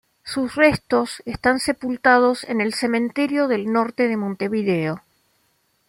Sus restos están sepultados en el Cementerio del Norte de Montevideo.